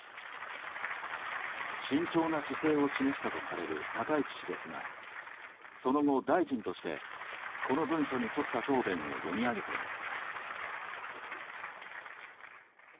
慎重な姿勢を示したとされる高市氏ですがその後、大臣としてこの文書に沿った答弁を読み上げています。